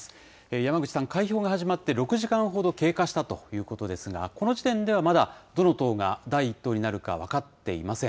山口さん、開票が始まって６時間ほど経過したということですが、この時点ではまだ、どの党が第１党になるか分かっていません。